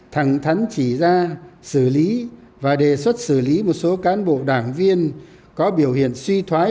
thẳng thắn chỉ ra xử lý và đề xuất xử lý một số cán bộ đảng viên có biểu hiện suy thoái